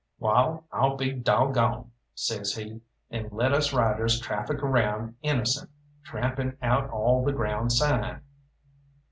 "Wall, I'll be dog goned!" says he, and let us riders traffick around innocent, trampling out all the ground sign.